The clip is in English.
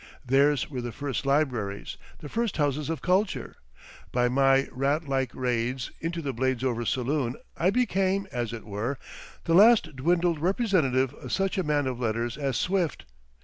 Theirs were the first libraries, the first houses of culture; by my rat like raids into the Bladesover saloon I became, as it were, the last dwindled representative of such a man of letters as Swift.